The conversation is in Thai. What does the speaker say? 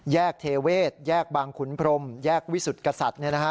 เทเวศแยกบางขุนพรมแยกวิสุทธิกษัตริย์